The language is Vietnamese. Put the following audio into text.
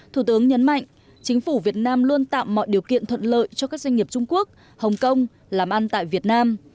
thủ tướng nhấn mạnh chính phủ việt nam luôn tạo mọi điều kiện thuận lợi cho các doanh nghiệp trung quốc hồng kông làm ăn tại việt nam